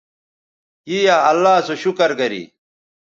ی یا اللہ سو شکر گری